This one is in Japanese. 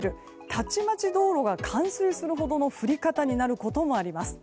たちまち道路が冠水するほどの降り方になるところもあります。